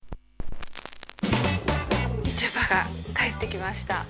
みちょぱ帰ってきました。